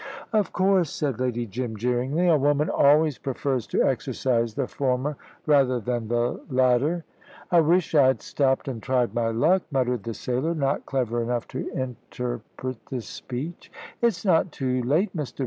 "Of course," said Lady Jim, jeeringly; "a woman always prefers to exercise the former rather than the latter." "I wish I'd stopped and tried my luck," muttered the sailor, not clever enough to interpret this speech. "It's not too late. Mr.